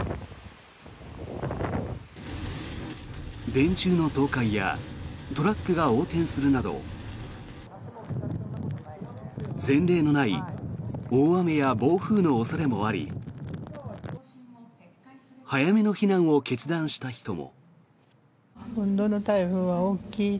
電柱の倒壊やトラックが横転するなど前例のない大雨や暴風の恐れもあり早めの避難を決断した人も。